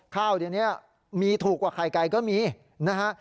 ข้าวเดี๋ยวนี้มีถูกกว่าไข่ไก่ก็มีนะฮะ